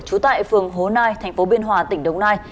trú tại phường hồ nai tp biên hòa tỉnh đông nai